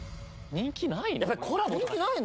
人気ないの？